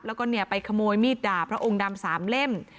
แล้วก็ไปขโมยมีดด่าพระองค์ดำ๓เล่ม